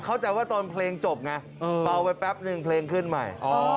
เข้าใจว่าตอนเพลงจบไงเบาไปแป๊บนึงเพลงขึ้นใหม่